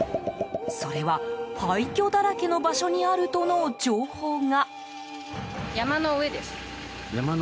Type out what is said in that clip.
それは、廃虚だらけの場所にあるとの情報が。